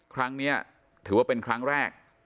ครั้งนี้ถือว่าเป็นครั้งแรก